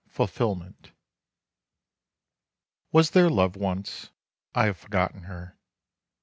FULFILMENT Was there love once? I have forgotten her.